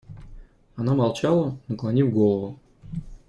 Она молчала, наклонив голову.